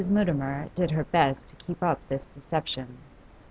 Mutimer did her best to keep up this deception.